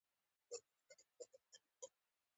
ما له مړو څخه ډیر جواهرات راوړل.